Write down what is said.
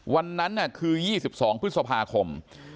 วันนั้นคือ๒๒พฤษภาคม